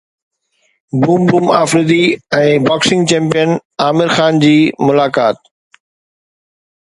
boom boom Afridi ۽ boxing champion Aamir Khan جي ملاقات